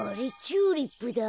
チューリップだ。